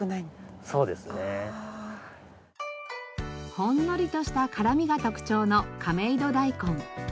ほんのりとした辛みが特徴の亀戸ダイコン。